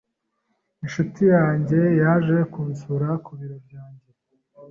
Inshuti yanjye yaje kunsura ku biro byanjye.